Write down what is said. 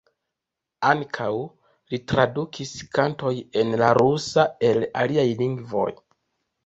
Ankaŭ li tradukis kantoj en la rusa el aliaj lingvoj.